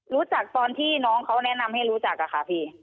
รู้จักตอนที่น้องเขาแนะนำให้รู้จักอะค่ะพี่